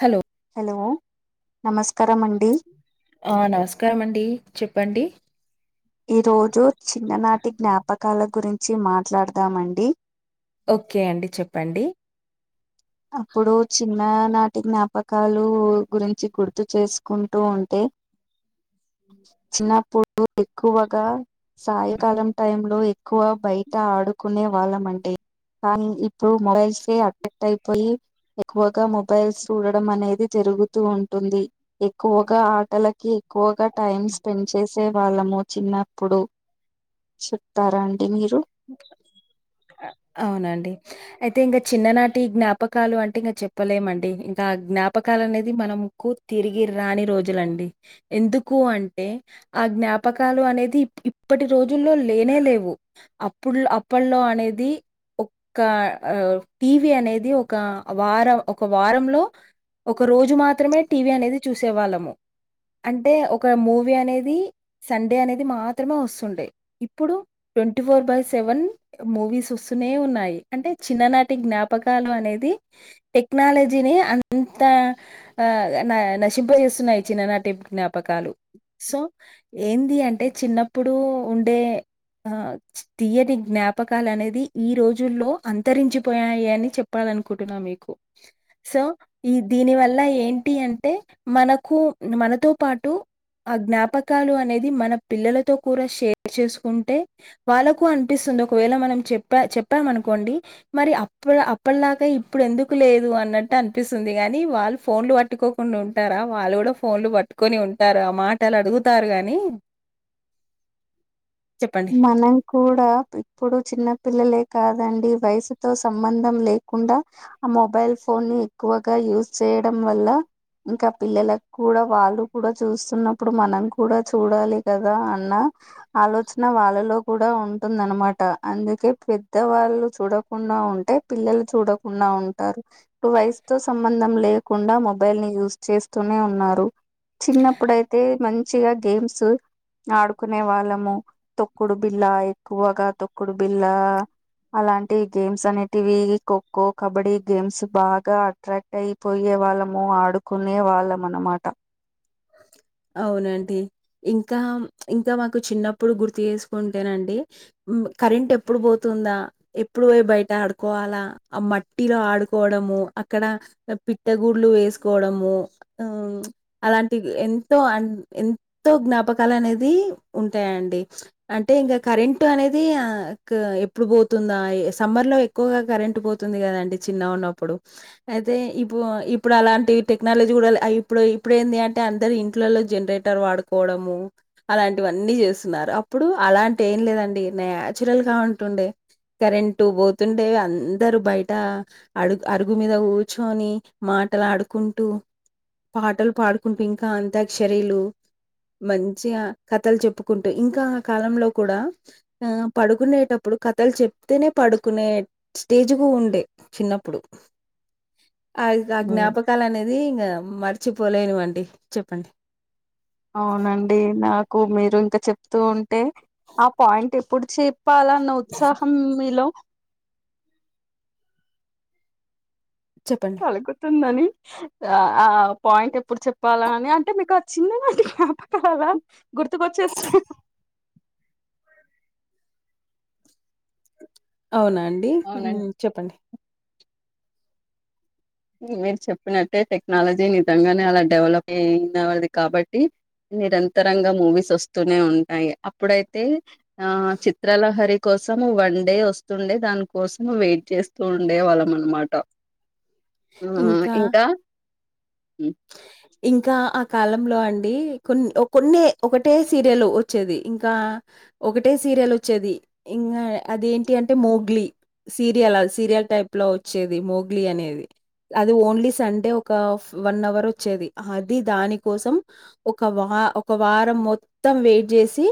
Hello hello నమస్కారమండి ఆ నమస్కారమండి చెప్పండి ఈ రోజు చిన్ననాటి జ్ఞాపకాల గురించి మాట్లాడదామండి ఓకే అండి చెప్పండి అప్పుడు చిన్న నాటి జ్ఞాపకాలు గురించి గుర్తు చేసుకుంటూ ఉంటే చిన్నప్పుడు ఎక్కువగా సాయంకాలం టైమ్ లో ఎక్కువ బయట ఆడుకునే వాళ్ళమంటే కానీ ఇప్పుడు మొబైల్స్ కే అటక్ట్ అయిపోయి ఎక్కువగా మొబైల్స్ చూడడం అనేది జరుగుతూ ఉంటుంది ఎక్కువగా ఆటలకి ఎక్కువగా టైం స్పెండ్ చేసే వాళ్ళము చిన్నప్పుడు చెప్తారా అండి మీరు అవునండి అయితే ఇంక చిన్ననాటి జ్ఞాపకాలు అంటే ఇంకా చెప్పలేమండి ఇంకా జ్ఞాపకాలనేది మనం కు తిరిగి రాని రోజులండి ఎందుకు అంటే ఆ జ్ఞాపకాలు అనేది ఇప్పటి రోజుల్లో లేనే లేవు. అప్పుల్లో అప్పల్లో అనేది ఒక్క టీవీ అనేది ఒక వారం ఒక వారంలో ఒక రోజు మాత్రమే టీ వీ అనేది చూసే వాళ్ళము అంటే ఒక మూవీ అనేది సండే అనేది మాత్రమే వస్తుండే ఇప్పుడు twenty four by seven movies వస్తూనే ఉన్నాయి అంటే చిన్ననాటి జ్ఞాపకాలు అనేది టెక్నాలజీని అంత ఆ ఆ నశింపజేస్తున్నాయి చిన్ననాటి జ్ఞాపకాలు సో ఏంది అంటే చిన్నప్పుడు ఉండే ఆ తీయటి జ్ఞాపకాలనేది ఈ రోజుల్లో అంతరించిపోయాయి అని చెప్ చెప్పాలనుకుంటున్నా మీకు సో ఈ దీని వల్ల ఏంటి అంటే మనకు మనతో పాటు ఆ జ్ఞాపకాలు అనేది మన పిల్లలతో కూడా షేర్ చేసుకుంటే వాళ్ళకు అనిపిస్తుంది ఒకవేళ మనం చెప్పా చెప్పామనుకోండి మరి అప్పుడు అప్పటిలాగా ఇప్పుడెన్దుకు లేదు అన్నట్టనిపిస్తుంది గాని వాళ్ళు ఫోన్లు పట్టుకో ఉండి ఉంటారా వాళ్ళు కూడా ఫోన్లు పట్టుకొని ఉంటారు ఆ మాట అలా అడుగుతారు గాని చెప్పండి. మనం కూడా ఇప్పుడు చిన్న పిల్లలే కాదండి వయసుతో సంబంధం లేకుండా ఆ మొబైల్ ఫోన్ని ఎక్కువగా యూజ్ చేయడం వల్ల ఇంకా పిల్లలకు కూడా వాళ్ళు కూడా చూస్తున్నప్పుడు మనం కూడా చూడాలి కదా అన్న ఆలోచ వచ్చిన వాళ్ళలో కూడా ఉంటుందనమాట అందుకే పెద్ద వాళ్ళు చూడకుండా ఉంటే పిల్లలు చూడకుండా ఉంటారు ఇప్పుడు వయస్తో సంబంధం లేకుండా మొబైల్ని యూజ్ చేస్తూనే ఉన్నారు చిన్నప్పుడయితే మంచిగా గేమ్స్ ఆడుకునే వాళ్ళము తొక్కుడు బిల్లా ఎక్కువగా తొక్కుడు బిల్లా అలాంటి గేమ్స్ అనేటివి ఖోఖో కబడ్డీ గేమ్స్ బాగా అట్రాక్ట్ అయి పోయే వాళ్ళము ఆడుకునే వాళ్ళమనమాట అవునండి ఇంకా ఇంకా మాకు చిన్నప్పుడు గుర్తు చేసుకుంటేనండి కరెంట్ ఎప్పుడు పోతుందా ఎప్పుడు పోయి బయట ఆడుకోవాలా ఆ మట్టిలో ఆడుకోవడము అక్కడ పిట్టగూడ్లు వేసుకోవడము ఆ అలాంటి ఎంతో అ ఎంతో జ్ఞాపకాలు అనేది ఉంటాయండి అంటే ఇంకా కరెంట్ అనేది ఎప్పుడు పోతుందా ఆ సమ్మర్లో ఎక్కువగా కరెంట్ పోతుంది కదండి చిన్నగా ఉన్నప్పుడు అయితే ఇప్పుడు ఇప్పుడు అలాంటి టెక్నాలజీ కూడా ఇప్పుడు ఇప్పుడు ఏంది అంటే అంటే అందరు ఇంట్లలో జనరేటర్ వాడుకోవడము అలాంటివన్నీ చేస్తున్నారు అప్పుడు అలాంటి ఏం లేదండి నాచురల్గా ఉంటుండే కరెంటట్ పోతుండే అందరు బయట అడుగు అరుగు మీద కూర్చొని మాటలు ఆడుకుంటూ పాటలు పాడుకు కుంట ఇంకా అంత్యక్షరీలు మంచిగా కథలు చెప్పుకుంటూ ఇంకా ఆ కాలంలో కూడా ఆ పడుకునేటప్పుడు కథలు చెప్తేనే పడుకునే స్టేజ్కు ఉండే చిన్నప్పుడు ఆ ఆ జ్ఞాపకాలు అనేది ఇం మర్చిపోలేనివండి చెప్పండి అవునండి నాకు మీరు ఇంకా చెప్తూ ఉంటే ఆ పాయింట్ ఎప్పుడు చె పాలన్న ఉత్సాహం మీలో చెప్పండి ఎక్కుతుందని ఆ ఆ పాయింట్ ఎప్పుడు చెప్పాలని అంటే మీకు ఆ చిన్ననాటి నా జ్ఞాపకాల గుర్తుకొచ్చేసినయ్ అవునాండి అవునండి చెప్పండి మీరు చెప్పినట్టే టెక్నాలజీ నిజంగానే అలా డెవలప్ అయినది కాబట్టి నిరంతరంగా మూవీస్ వస్తూనే ఉంటాయి అప్పుడైతే ఆ చిత్రాలహరి కోసం వన్డే వస్తుండే దాని కోసం వెయిట్ చేస్త చూ ఉండే వాళ్ళం అనమాట ఆ ఇంకా [inaudible] ఇంకా ఆ కాలంలో అండి కొన్ని కొన్ని ఒకటే సీరియల్ వచ్చేది ఇంకా ఒకటే సీరియల్ వచ్చేది ఇంకా అదేంటి అంటే మోగ్లీ సీరియల సీరియల్ టైప్ లో వచ్చేది మోగ్లీ అనేది అది ఓన్లీ సండే ఒక వన్ అవర్ వచ్చేది అది దాని కోసం ఒక వ ఒక వారం మొత్తం వెయిట్ చేసి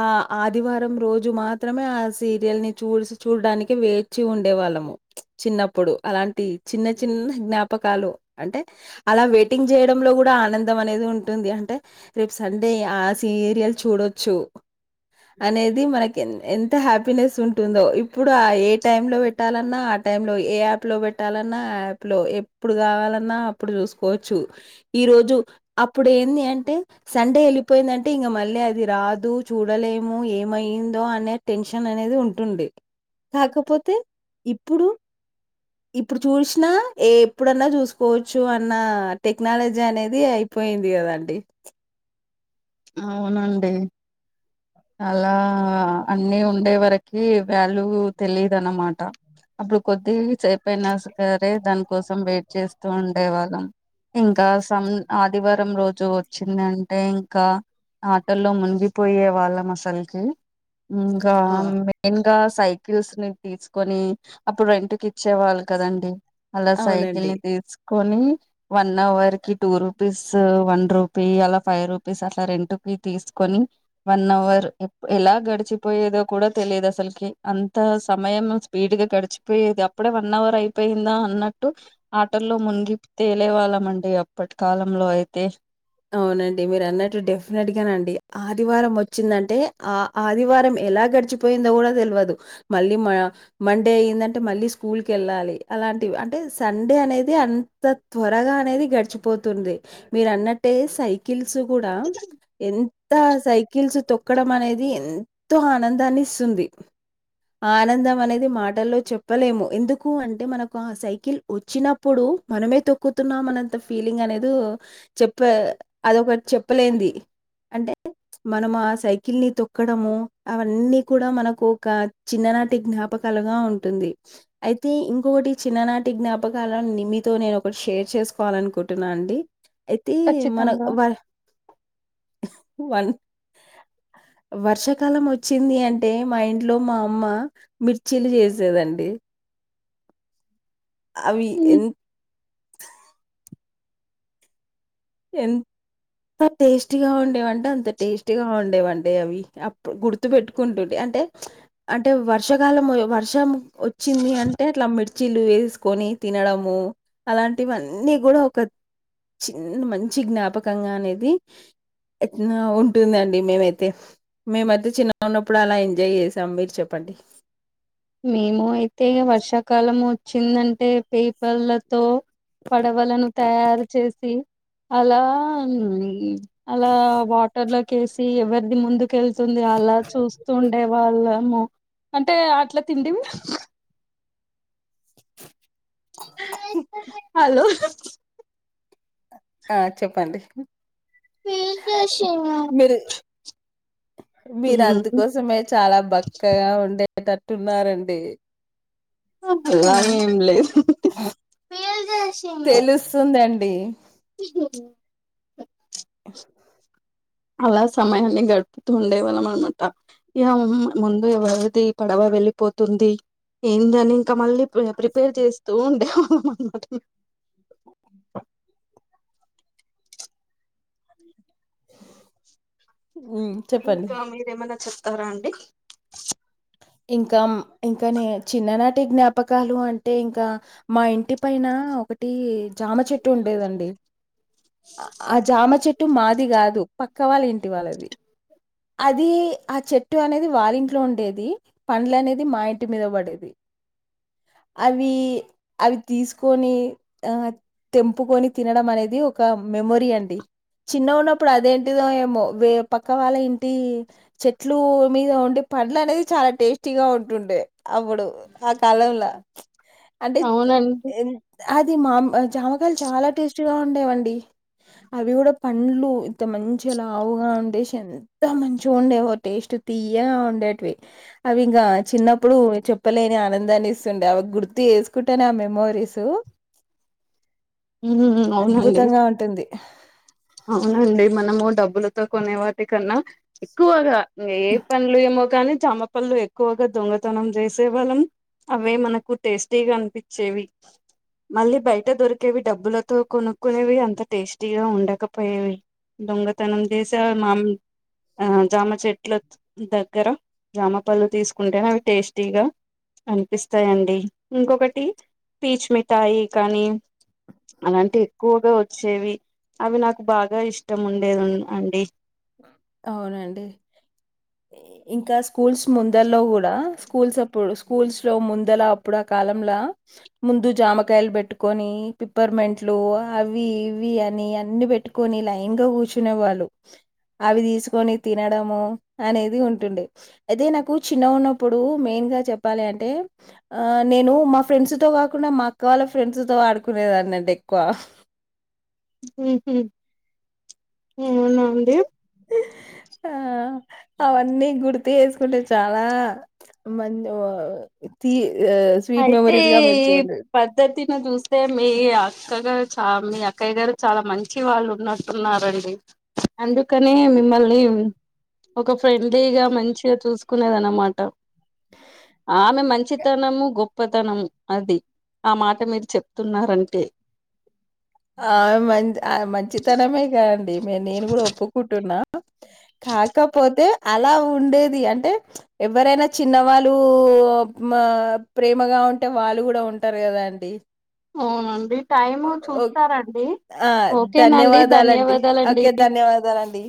ఆ ఆదివారం రోజు మాత్రమే ఆ సీరియల్ని చూ చూడడానికి వేచి ఉండే వాళ్ళము చిన్నప్పుడు అలాంటి చిన్న చిన్న జ్ఞాపకాలు అంటే అలా వెయిటింగ్ చేయడంలో కూడా ఆనందం అనేది ఉంటుంది అంటే రేపు సండే ఆ సీరియల్ చూడొచ్చు అనేది మనకి ఎంత హ్యాపీనెస్ ఉంటుందో ఇప్పుడు ఆ ఏ టైమ్ లో పెట్టాలన్నా ఆ టైం లో ఏ యాప్ లో పెట్టాలన్నా ఆ యాప్ లో ఎప్పుడు కావాలన్నా అప్పుడు చూసు కోచ్చు ఈరోజు అప్పుడు ఏంది అంటే సండే వెళ్ళిపోయిందంటే ఇంక మళ్ళీ అది రాదు చూడలేము ఏమయిందో అనే టెన్షన్ అనేది ఉంటుండే కాకపోతే ఇప్పుడు ఇప్పుడు చూసినా ఏ ఎప్పుడన్నా చూసుకోవచ్చు అని మన్న టెక్నాలజీ అనేది అయిపోయింది కదండి అవునండి అలా అన్ని ఉండే వరకి వాల్యూ తెలిదు అన్నమాట అప్పుడు కొద్ది సేపైనా సరే దానికోసం వెయిట్ చేస్తూ ఉండేవాళ్ళం ఇంకా సన్ ఆదివారం రోజు వచ్చిందంటే ఇంకా ఆటల్లో మునిగిపోయే వాళ్ళం అసలుకి ఇంకా ఆ! ఇన్గా సైకిల్స్ ని తీసుకొని అప్పుడు రెంట్కి ఇచ్చేవాళ్ళు కదండి అలా సాయకల్ అవునండి. నీ తీస్ కొని వన్ అవర్ కి టూ రూపీస్ వన్ రూపీ అలా ఫైవ్ రూపీ రుపీస్ అట్లా రెంటుకి తీసుకొని వన్ అవర్ ఎలా గడిచిపోయేదో కూడా తెలియదు అసలుకి అంత సమయం స్పీడ్గా గడిచిపోయేది అప్పుడే వన్ అవర్ అయిపోయిందా అన్నట్టు ఆటల్లో మునిగి తేలే వాళ్ళం అండి అప్పటి కాలంలో అయితే అవునండి మీరు అన్నట్టు డెఫినెట్ గా నండి ఆదివారం వచ్చిందంటే ఆ ఆదివారం ఎలా గడిచిపోయిందో కూడా తెలవదు మళ్ళీ మా మండే అయ్యిందంటే మళ్ళీ స్కూల్ కి వెళ్ళాలి అలాంటివి అంటే సండే అనేది అన్ త త్వరగా అనేది గడిచిపోతుంది మీరు అన్నట్టు అంటే సైకిల్స్ కూడా ఎన్ తా సైకిల్స్ తొక్కడం అనేది ఎంతో ఆనందాన్ని ఇస్తుంది ఆ ఆనందం అనేది మాటల్లో చెప్పలేము ఎందుకు అంటే మనకు ఆ సైకిల్ వచ్చినప్పుడు మనమే తొక్కుతున్నాం అన్నంత ఫీలింగ్ అనేది చెప్ అదొకటి చెప్పలేంది అంటే మనం ఆ సైకిల్ ని తొక్కడమూ అవన్నీ కూడా మనకు ఒక చిన్ననాటి జ్ఞాపకాలుగా ఉంటుంది అయితే ఇంకొకటి చిన్ననాటి జ్ఞాపకాలను నేన్ మ్మితో నేను ఒకటి షేర్ చేసుకోవాల అనుకుంటున్నా అండి తీ మనకు ఖచ్చితంగా వ వన్ వర్షాకాలం వచ్చింది అంటే మా ఇంట్లో మా అమ్మా మిర్చీలు చేసేదండి అవి ఉమ్ ఎంత్ ఎంత టేస్టీగా ఉండేవంటే అంత టేస్టీగా ఉండేవండి అవి గుర్తు పెట్టుకుంటుంది అంటే అంటే వర్షాకాలం వర్షం వచ్చింది అం టే అట్లా మిర్చీలు వేసుకొని తినడమూ అలాంటివి అన్నీ కూడా ఒక నేను మంచి జ్ఞాపకంగా అనేది ఎట్నా ఉంటుందండి మేమైతే మేమైతే చిన్నగా ఉన్నప్పుడు అలా ఎంజాయ్ చేసాం మీరు చెప్పండి మేము అయితే వర్షాకాలం వచ్చిందంటే పేపర్లతో పడవలను తయారు చేసి అలా అలా వాటర్ లోకి వేసి ఎవరిది ముందు కెళ్తుంది అలా చూస్తుండే వాళ్ళము అంటే అట్లా తిండివి హలో ఆ చెప్పండి పీకేసినా మీరు మీరు అందుకోసమే చాలా బక్కగా ఉండేటట్టున్నారండి అలా హ్మ్. ఏం లేదు తుందండీ [unintelligible] [inaudible] అలా సమయాన్ని గడుపుతూ ఉండేవాళ్ళం అన్మాట ఇక ముందు ఎవరిది పడవ వెళ్ళిపోతుంది ఏందో అని ఇంకా మళ్ళీ ప్రిపేర్ చేస్తూ ఉండే వాళ్ళ అన్మాట ఉం ఇంకా మీరేమన్నా చెప్తారా అండి ఇంకా ఇంకానే చిన్ననాటి జ్ఞాపకాలు అంట టే ఇంకా మా ఇంటి పైనా ఒకటీ జామ చెట్టు ఉండేదండి ఆ జామ చెట్టు మాది కాదు పక్ క్క వాళ్ళింటి వాళ్ళది అదీ ఆ చెట్టు అనేది వాలింట్లో ఉండేది పండ్ల అనేది మా ఇంటి మీద పడేది అవీ అవి తీసుకొనీ ఆ తెంపుకొని తినడం అనేది ఒక మెమొరీ అండి చిన్న ఉన్నప్పుడు అదేంటిదో ఏమో వే పక్క వాళ్ళ ఇంటి చెట్లూ మీద ఉండే పండ్ల అనేది చాలా టేస్టీగా ఉంటుండే అప్పుడు ఆ కాలంలా అంటే అవునండి అది మామి జామకాయలు చాలా టేస్టీగా ఉండేవండి అవి కూడా పండ్లు ఇంత మంచి లావుగా ఉండేసింది ఎంతో మంచిగా ఉండే ఓ టేస్ట్ తీయ ఉండేటివి అవి ఇంకా చిన్నప్పుడు చెప్పలేని ఆనందాన్ని ఇస్తుండే అవి గుర్తు చేసుకుంటాను ఆ మెమోరీస్ ఉం అవునండి ఆ అవునండి మనము డబ్బులతో కొనే వాటి కన్నా ఎక్కువగా ఇంగ ఎ పండ్లు ఎమో గాని జామ పండ్లు ఎక్కువ ఎక్కువగా దొంగతనం చేసే వాళ్ళం అవే మనకు టేస్టీగా అనిపించేవి మళ్ళీ బయట దొరికేవి డబ్బులతో కొనుక్కునేవి అంత టేస్టీగా ఉండక పోయేవి దొంగతనం చేసా మామి ఆ జామ చెట్ల దగ్గర జామపళ్ళు తీసుకుంటేనీ అవి టేస్టీగా అనిపిస్తాయంండి ఇంకొకటి పీచ్మిఠాయి కానీ అలాంటి ఎక్కువగా వచ్చేవి అవి నాకు బాగా ఇష్టం ఉండేది అండి అవునండి. ఇంకా స్కూల్స్ ముందలో గూడా స్కూల్స్ అప్పుడు స్కూల్స్ లో ముందల అప్పుడు ఆ కాలలా ముందు జామకాయలు బెట్టుకొని పిప్పర్ మంట్లు అవి ఇవి అని అన్ని బెట్టు కొన్ని లైన్ గా కూర్చునే వాళ్ళు అవి దిసుకొని తినడము అనేది ఉంటుండే. అదే నాకు చిన్న ఉన్నప్పుడు మెయిన్ గా చెప్పాలి అంటే ఆ నేను మా ఫ్రెండ్స్ తో కాకుండా మా అక్క వాళ్ళ ఫ్రెండ్స్ తో ఆడుకునేదాన్నంటా ఎక్కువ ఉహుహ్ అవునా అండి. ఆ అవన్నీ గుర్తు ఏసుకుంటే చాలా మంద్ ఓ తీ స్వీట్ మెమరీస్ గా మెర్చోండి. పద్దతిని చూస్తే మీ అక్కగారు చా మీ అక్కయ్య గారు చాలా మంచి వాళ్ళు ఉన్నారు. ఉన్నారండి అందుకనే మిమ్మల్నిమ్ ఒక ఫ్రెండ్లీగా మంచిగా చూసుకునేదన్నమాట ఆమె మంచితనము గొప్పతనము అది ఆ మాట మీరు చెప్తున్నారంటే ఆ మ మంచితనమే కా అండి నేను కూడా ఒప్పుకుంటున్నా కాకపోతే అలా ఉండేది అంటే ఎవరైనా చిన్నవాళ్ళు ఉ మా ప్రేమగా ఉంటే వాళ్ళు కూడా ఉంటారు కదా అండి. అవునండి టైమ్ ఓకే. చూస్తారండి. ఆ ఓకేనండి ధన్యవాదాలండి ధన్యవాదాలండి ఓకే ధన్యవాదాలండి.